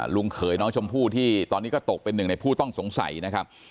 เขยน้องชมพู่ที่ตอนนี้ก็ตกเป็นหนึ่งในผู้ต้องสงสัยนะครับ